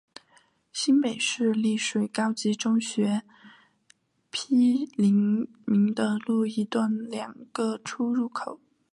新北市立清水高级中学毗邻明德路一段的两个出入口。